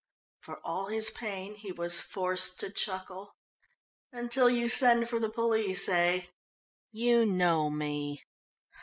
For all his pain he was forced to chuckle. "Until you send for the police, eh? You know me?"